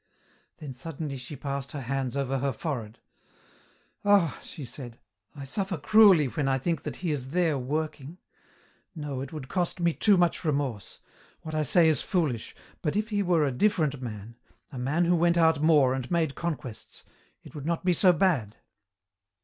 Then suddenly she passed her hands over her forehead. "Ah!" she said, "I suffer cruelly when I think that he is there working. No, it would cost me too much remorse. What I say is foolish, but if he were a different man, a man who went out more and made conquests, it would not be so bad."